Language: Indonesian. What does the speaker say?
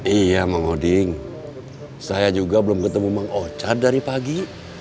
iya mang odin saya juga belum ketemu mang ocat dari pagi